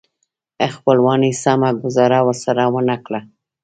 خپلوانو یې سمه ګوزاره ورسره ونه کړه.